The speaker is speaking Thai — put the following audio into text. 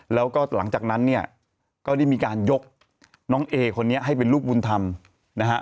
แล้วก็หลังจากนั้นเนี่ยก็ได้มีการยกน้องเอคนนี้ให้เป็นลูกบุญธรรมนะฮะ